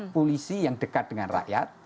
polisi yang dekat dengan rakyat